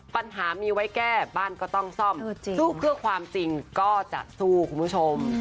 ปัญหามีไว้แก้บ้านก็ต้องซ่อมสู้เพื่อความจริงก็จะสู้คุณผู้ชม